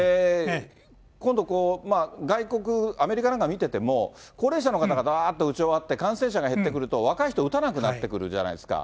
今度、外国、アメリカなんか見てても、高齢者の方が、だーっと打ち終わって、感染者が減ってくると、若い人、打たなくなってくるじゃないですか。